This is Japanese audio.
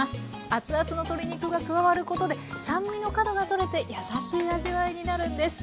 熱々の鶏肉が加わることで酸味の角が取れて優しい味わいになるんです